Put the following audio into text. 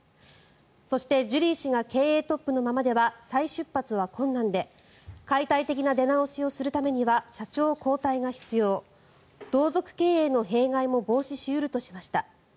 そして、ジュリー氏が経営トップのままでは再出発は困難で解体的な出直しをするためには社長交代が必要同族経営の弊害も防止し得るとしました。